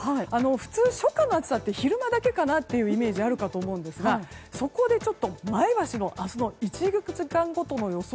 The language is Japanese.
普通、初夏の暑さは昼間だけかなというイメージがあるかなと思うんですがそこで、前橋の明日の１時間ごとの予想